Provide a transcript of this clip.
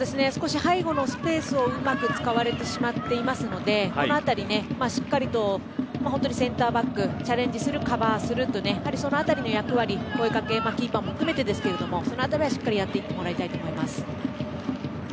背後のスペースをうまく使われているのでこのあたり、しっかりと本当にセンターバックチャレンジするカバーする、そのあたりの役割声掛けキーパーも含めてですがそのあたりはしっかりとやっていってもらいたいと思います。